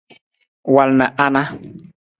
Wal na a na.